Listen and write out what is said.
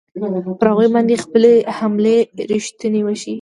پر هغوی باندې خپلې حملې ریښتوني وښیي.